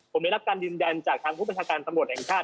ผมได้รับการยืนยันจากทางผู้บัญชาการตำรวจแห่งชาติ